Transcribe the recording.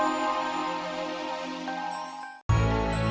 terima kasih amon